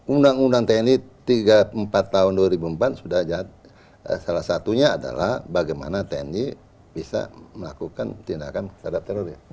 undang undang tni tiga empat tahun dua ribu empat sudah salah satunya adalah bagaimana tni bisa melakukan tindakan terhadap teroris